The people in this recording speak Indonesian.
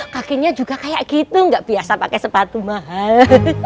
kakinya juga kayak gitu nggak biasa pakai sepatu mahal